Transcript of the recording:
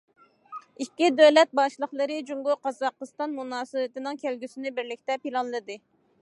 ئىككى دۆلەت باشلىقلىرى جۇڭگو- قازاقىستان مۇناسىۋىتىنىڭ كەلگۈسىنى بىرلىكتە پىلانلىدى.